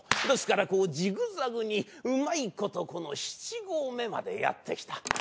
ですからジグザグにうまいことこの７合目までやって来た。